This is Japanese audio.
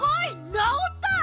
なおった！